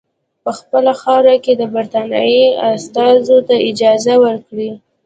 په خپله خاوره کې د برټانیې استازو ته اجازه ورکړي.